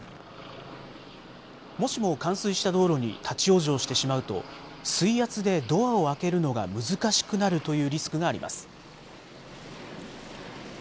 もしも冠水した道路に立往生してしまうと、水圧でドアを開けるのが難しくなるというリスクがあります。